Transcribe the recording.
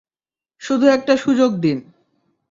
শুধু একটা সুযোগ দিন!